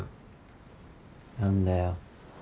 何だよ。